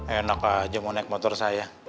enak aja mau naik motor saya